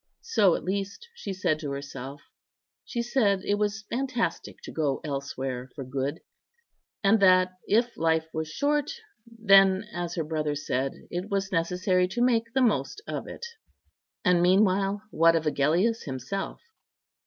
So at least she said to herself; she said it was fantastic to go elsewhere for good, and that, if life was short, then, as her brother said, it was necessary to make the most of it. And meanwhile, what of Agellius himself?